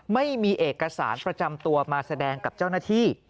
ไม่มีเอกสารประจำตัวมาแสดงกับเจ้าหน้าที่